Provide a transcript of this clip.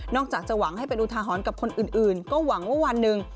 จากจะหวังให้เป็นอุทาหรณ์กับคนอื่นก็หวังว่าวันหนึ่ง